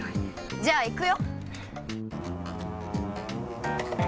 じゃあいくよ。